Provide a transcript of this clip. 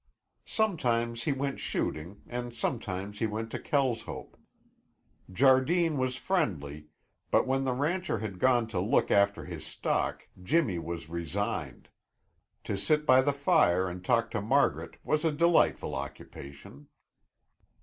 Sometimes he went shooting and sometimes he went to Kelshope. Jardine was friendly, but when the rancher had gone to look after his stock Jimmy was resigned. To sit by the fire and talk to Margaret was a delightful occupation.